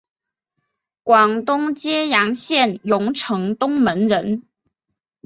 广东揭阳县榕城东门人。